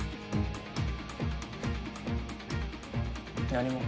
何も。